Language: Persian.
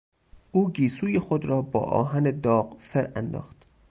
او گیسوی خود را با آهن داغ فر انداخت.